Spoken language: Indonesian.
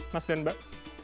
mas dan mbak